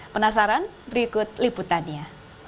penasaran berikut liputannya